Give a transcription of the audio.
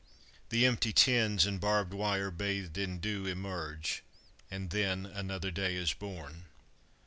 The empty tins and barbed wire bathed in dew Emerge, and then another day is born.